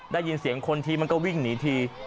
ได้ยินเสียงคนทีมันก็วิ่งหนีที